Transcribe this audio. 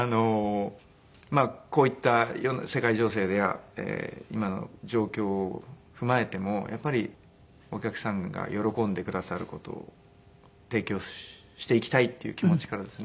まあこういった世界情勢や今の状況を踏まえてもやっぱりお客さんが喜んでくださる事を提供していきたいっていう気持ちからですね。